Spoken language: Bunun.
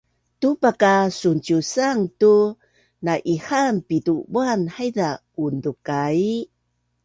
Tupa ka sunciusanga tu na’ihaan pitu buan haiza unzukai